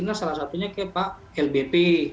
nah salah satunya kayak pak lbp